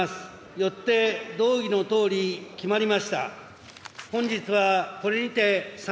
よって動議のとおり決まりました。